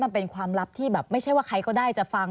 มันเป็นความลับที่แบบไม่ใช่ว่าใครก็ได้จะฟัง